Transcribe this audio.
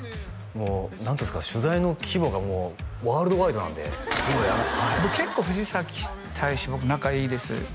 もう何ていうんですか取材の規模がもうワールドワイドなんでそうや結構藤崎大使僕仲いいです